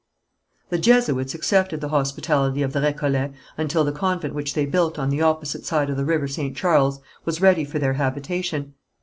The Jesuits accepted the hospitality of the Récollets until the convent which they built on the opposite side of the river St. Charles, was ready for their habitation.